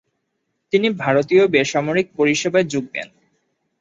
তিনি ভারতীয় বেসামরিক পরিসেবায় যোগ দেন।